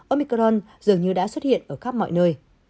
omicron dường như đã xuất hiện ở khắp mọi nơi